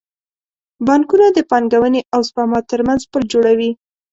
بانکونه د پانګونې او سپما ترمنځ پل جوړوي.